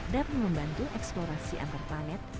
dapat membantu eksplorasi antarplanet